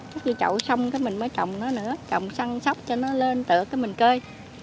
cắt vô chậu xong cái mình mới trồng nó nữa trồng săn sóc cho nó lên tựa cái mình cơi